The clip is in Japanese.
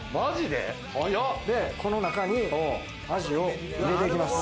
で、この中にアジを入れていきます。